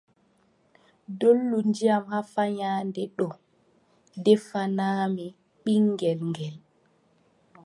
Dollu ndiyam haa fahannde ɗoo ndefanaami ɓiŋngel ngel,